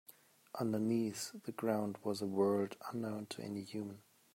Underneath the ground was a world unknown to any human.